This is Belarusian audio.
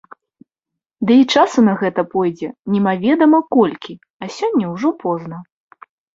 Ды і часу на гэта пойдзе немаведама колькі, а сёння ўжо позна.